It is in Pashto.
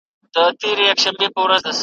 یو جهاني نه یم چي په دام یې کښېوتلی یم ,